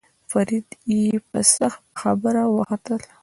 فريده يې په خبره وختله.